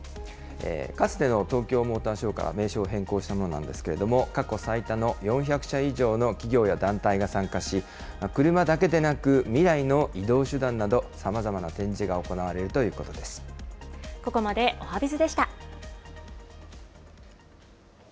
かつての東京モーターショーから名称を変更したものなんですけれども、過去最多の４００社以上の企業や団体が参加し、車だけでなく、未来の移動手段など、さまざまな展示が行われるということでここまでおはＢｉｚでした。